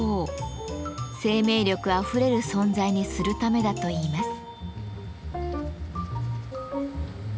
生命力あふれる存在にするためだといいます。